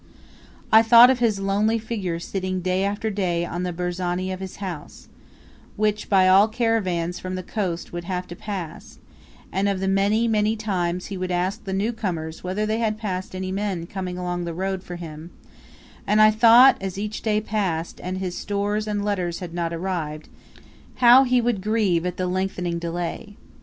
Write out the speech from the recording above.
I thought of his lonely figure sitting day after day on the burzani of his house, by which all caravans from the coast would have to pass, and of the many, many times he would ask the new comers whether they had passed any men coming along the road for him, and I thought as each day passed, and his stores and letters had not arrived how he would grieve at the lengthening delay.